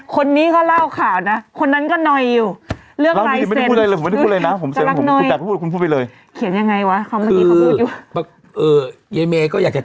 คนนี้ก็เล่าข่าวนะคนนั้นก็หนอยอยู่เลือกรายเซ็นต์